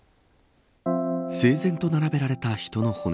整然と並べられた人の骨。